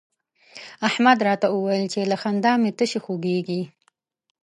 احمد راته وويل چې له خندا مې تشي خوږېږي.